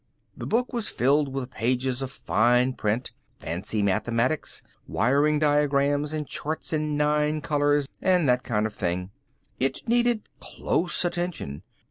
The book was filled with pages of fine print, fancy mathematics, wiring diagrams and charts in nine colors and that kind of thing. It needed close attention.